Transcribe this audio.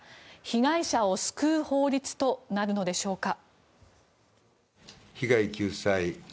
被害者を救う法律となるのでしょうか。